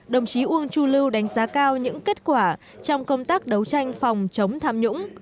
đồng chí uông chu lưu đánh giá cao những kết quả trong công tác đấu tranh phòng chống tham nhũng